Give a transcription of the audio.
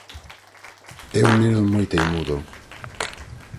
...é un neno moi teimudo.